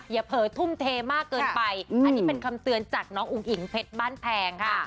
เผลอทุ่มเทมากเกินไปอันนี้เป็นคำเตือนจากน้องอุ๋งอิ๋งเพชรบ้านแพงค่ะ